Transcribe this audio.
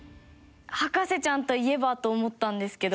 『博士ちゃん』といえばと思ったんですけど。